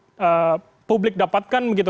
ya ini kita publik dapatkan begitu